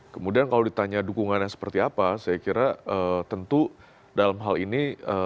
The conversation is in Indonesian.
kemudian kalau ditanya dukungannya seperti apa saya kira tentu dalam hal ini